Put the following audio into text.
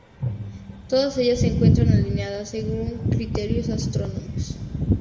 Todas ellas se encuentran alineadas según criterios astronómicos.